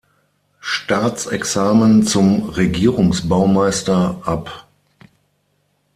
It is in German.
Staatsexamen zum Regierungsbaumeister ab.